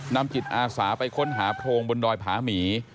จิตอาสาไปค้นหาโพรงบนดอยผาหมี